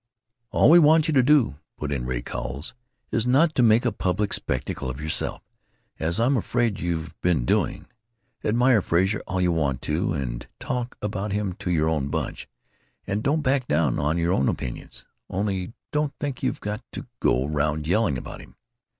"All we want you to do," put in Ray Cowles, "is not to make a public spectacle of yourself—as I'm afraid you've been doing. Admire Frazer all you want to, and talk about him to your own bunch, and don't back down on your own opinions, only don't think you've got to go round yelling about him.